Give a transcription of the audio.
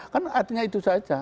kan artinya itu saja